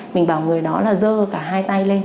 mình bảo người đó là dơ cả hai tay lên